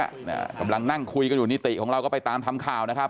อ่ากำลังนั่งคุยกันอยู่นิติของเราก็ไปตามทำข่าวนะครับ